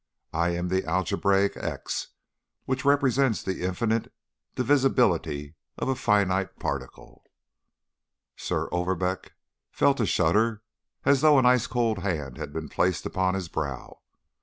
I am the algebraic x which represents the infinite divisibility of a finite particle.' "Sir Overbeck felt a shudder as though an ice cold hand had been placed upon his brow.